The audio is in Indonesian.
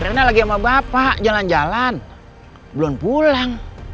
karena lagi sama bapak jalan jalan belum pulang